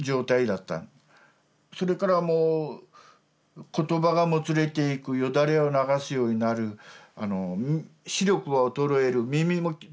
それからもう言葉がもつれていくよだれを流すようになる視力は衰える耳もだんだん聞こえなくなる。